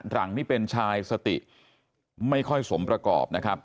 หลังนี่เป็นชายสติไม่ค่อยสมประกอบนะครับ